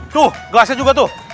tuh gelasnya juga tuh